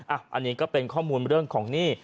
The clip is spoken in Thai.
อันนี้ก็เป็นข้อมูลเรื่องของหนี้